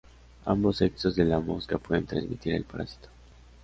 Ambos sexos de la mosca pueden transmitir el parásito.